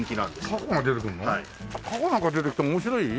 タコなんか出てきて面白い？